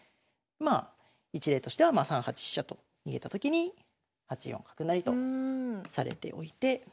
まあ一例としてはまあ３八飛車と逃げた時に８四角成とされておいて。